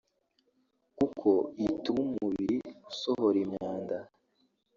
kuko ituma umubiri usohora imyanda